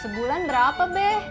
sebulan berapa beh